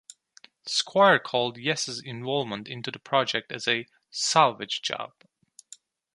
Squire called Yes's involvement into the project as a "salvage job".